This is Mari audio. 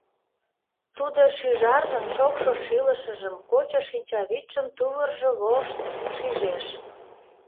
Тудо шӱжаржын шокшо шӱлышыжым, кочо шинчавӱдшым тувыржо вошт шижеш.